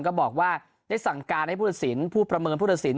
ก็บอกว่าได้สั่งการให้ผู้ตัดสินผู้ประเมินผู้ตัดสิน